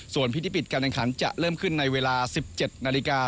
ส่วนพิธีปิดการแข่งขันจะเริ่มขึ้นในเวลา๑๗นาฬิกา